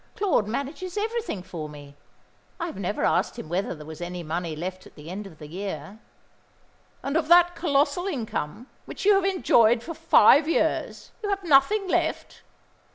Claude manages everything for me. I have never asked him whether there was any money left at the end of the year." "And of that colossal income which you have enjoyed for five years you have nothing left?